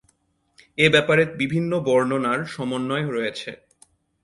এ ব্যাপারে বিভিন্ন বর্ণনার সমন্বয় রয়েছে।